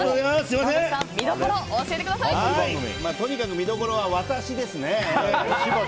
山崎さんとにかく見どころは私ですね。